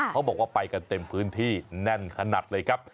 เขาบอกว่าไปกันเต็มพื้นที่แน่นขนาดเลยครับ